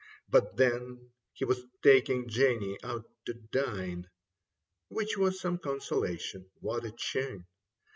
But then he was taking Jenny out to dine. Which was some consolation. What a chin !